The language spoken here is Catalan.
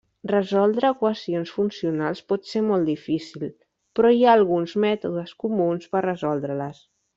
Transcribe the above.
Resoldre equacions funcionals pot ser molt difícil però hi ha alguns mètodes comuns per resoldre-les.